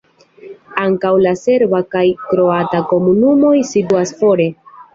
Ankaŭ la serba kaj kroata komunumoj situas fore.